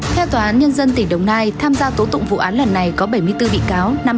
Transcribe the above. theo tòa án nhân dân tỉnh đồng nai tham gia tố tụng vụ án lần này có bảy mươi bốn bị cáo